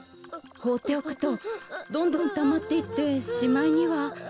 ほうっておくとどんどんたまっていってしまいには。